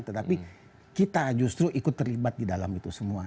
tetapi kita justru ikut terlibat di dalam itu semua